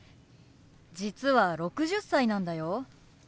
実は６０歳なんだよ。